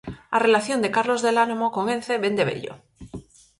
A relación de Carlos del Álamo con Ence vén de vello.